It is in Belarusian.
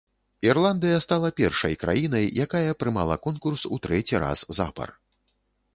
Ірландыя стала першай краінай, якая прымала конкурс у трэці раз запар.